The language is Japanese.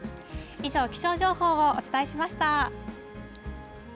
以上、気象情報をお伝えしました。